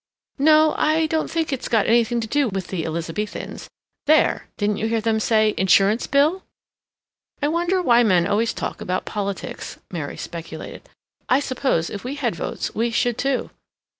"No, I don't think it's got anything to do with the Elizabethans. There! Didn't you hear them say, 'Insurance Bill'?" "I wonder why men always talk about politics?" Mary speculated. "I suppose, if we had votes, we should, too."